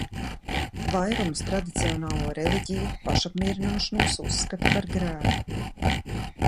Vairums tradicionālo reliģiju pašapmierināšanos uzskata par grēku.